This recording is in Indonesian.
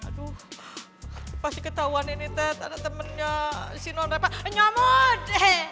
aduh pasti ketahuan ini tet ada temennya sinon repa nyomot